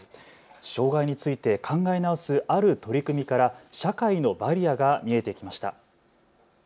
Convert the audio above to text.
障害について考え直すある取り組みから社会のバリアが見えてきました。